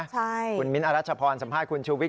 ใช่คุณมิ้นท์อรัชโพรสัมภาษณ์คุณชุวิต